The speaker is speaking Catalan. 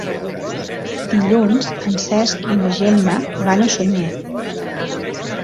Dilluns en Cesc i na Gemma van a Sunyer.